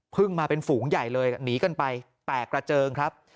มาเป็นฝูงใหญ่เลยหนีกันไปแตกกระเจิงครับ